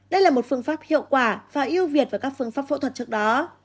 đây là một phương pháp hiệu quả và ưu việt với các phương pháp phẫu thuật trước đó